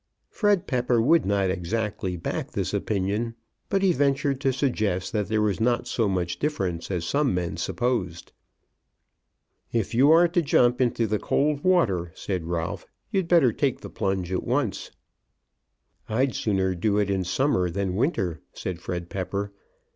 Fred Pepper would not exactly back this opinion, but he ventured to suggest that there was not so much difference as some men supposed. "If you are to jump into the cold water," said Ralph, "you'd better take the plunge at once." "I'd sooner do it in summer than winter," said Fred Pepper.